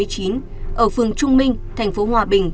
ở phường trung minh thành phố hòa bình